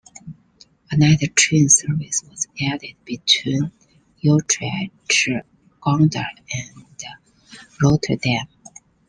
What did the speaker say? A night train service was added between Utrecht, Gouda and Rotterdam.